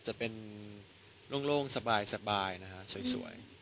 จะเป็นโล่งสบายนะฮะสวย